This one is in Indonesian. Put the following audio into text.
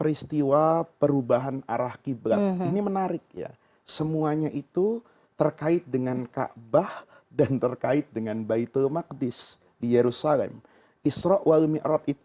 itu kalau dalam keadaan kita itu berarti